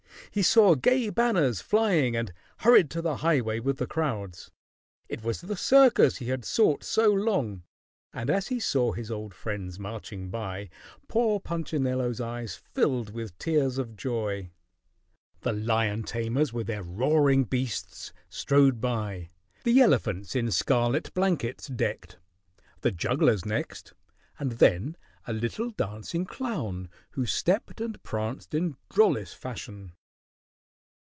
He saw gay banners flying and hurried to the highway with the crowds. It was the circus he had sought so long, and as he saw his old friends marching by, poor Punchinello's eyes filled with tears of joy. The lion tamers with their roaring beasts strode by, the elephants in scarlet blankets decked, the jugglers next, and then a little dancing clown who stepped and pranced in drollest fashion.